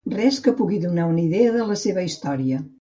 Res que pugui donar una idea de la seva història.